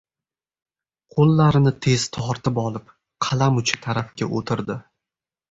Qo‘llarini tez tortib olib, qalam uchi tarafga o‘tirdi.